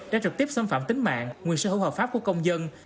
đã trực tiếp xâm phạm tính mạng nguyên sở hữu hợp pháp của công dân